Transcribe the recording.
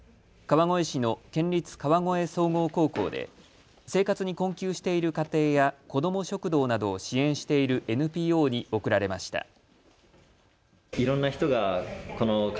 川越市の県立川越総合高校で生活に困窮している家庭や子ども食堂などを支援しているＮＰＯに贈られました。